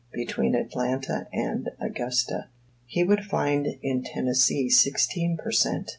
between Atlanta and Augusta. He would find in Tennessee sixteen per cent.